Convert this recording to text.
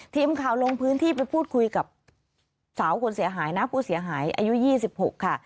ทีมข่าวลงพื้นที่ไปพูดคุยกับสาวผู้เสียหายอายุ๒๖ค่ะ